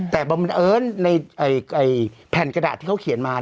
แต่บังเอิญในแผ่นกระดาษที่เขาเขียนมา